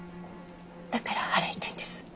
だから払いたいんです。